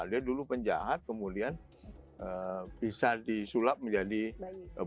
dia dulu penjahat kemudian bisa disulap menjadi penu